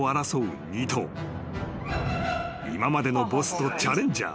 ［今までのボスとチャレンジャー］